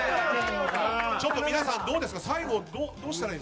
ちょっと皆さんどうですか？